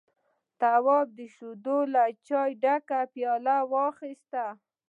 تواب د شيدو له چايو ډکه پياله واخيسته.